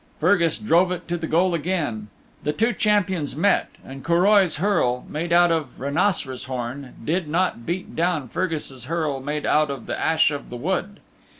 Fergus drove it to the goal again; the two champions met and Curoi's hurl, made out of rhinoceros' horn, did not beat down Fergus's hurl made out of the ash of the wood.